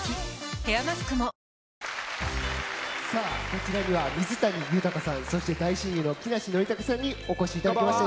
ヘアマスクもこちらには水谷豊さんそして大親友の木梨憲武さんにお越しいただきました。